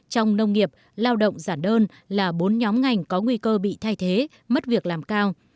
trong nông nghiệp lao động giản đơn là bốn nhóm ngành có nguy cơ bị thay thế mất việc làm cao